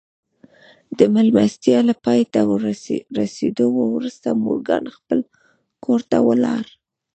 د مېلمستيا له پای ته رسېدو وروسته مورګان خپل کور ته ولاړ.